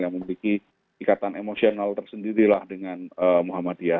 yang memiliki ikatan emosional tersendiri lah dengan muhammadiyah